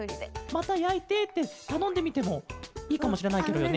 「またやいて」ってたのんでみてもいいかもしれないケロよね。